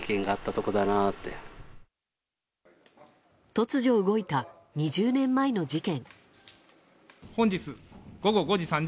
突如動いた、２０年前の事件。